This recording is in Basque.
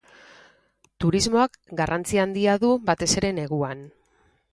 Turismoak garrantzi handia du, batez ere neguan.